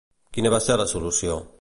Quina va ser la solució?